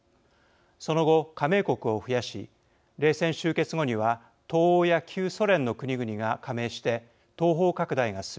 その後加盟国を増やし冷戦終結後には東欧や旧ソ連の国々が加盟して東方拡大が進み